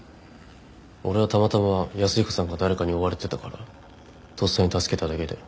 俺はたまたま安彦さんが誰かに追われてたからとっさに助けただけで。